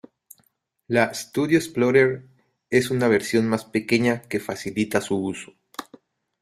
La Studio Explorer es una versión más pequeña que facilita su uso.